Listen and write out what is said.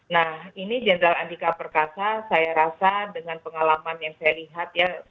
nah ini jenderal andika perkasa saya rasa dengan pengalaman yang saya lihat ya